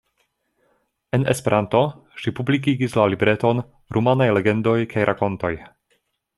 En Esperanto, ŝi publikigis la libreton "Rumanaj legendoj kaj rakontoj".